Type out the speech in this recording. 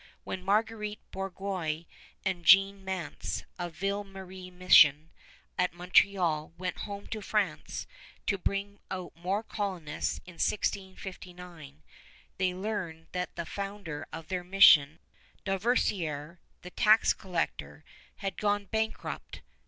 When Marguerite Bourgeoys and Jeanne Mance, of Ville Marie Mission at Montreal, went home to France to bring out more colonists in 1659, they learned that the founder of their mission Dauversière, the tax collector had gone bankrupt.